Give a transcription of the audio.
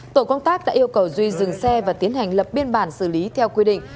tổ công tác đã yêu cầu duy dừng xe và tiến hành lập biên bản xử lý theo quy định